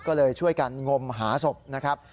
ก็เลยช่วยกันงมหาศพนะครับ